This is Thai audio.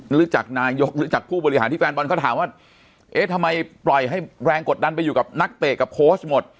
หรือจากนายกหรือจากผู้บริหารที่แฟนบอลเขาถามว่าเอ๊ะทำไมปล่อยให้แรงกดดันไปอยู่กับนักเตะกับโค้ชหมด